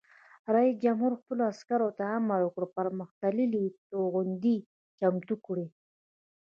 رئیس جمهور خپلو عسکرو ته امر وکړ؛ پرمختللي توغندي چمتو کړئ!